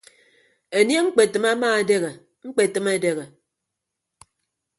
Enie ñkpetịm ama edehe ñkpetịm edehe.